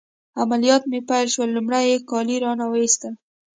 عملیات مې پیل شول، لمړی يې کالي رانه وایستل.